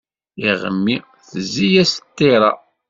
Iɣmi, tezzi-yas ṭṭiṛa.